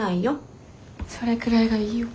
それくらいがいいよ。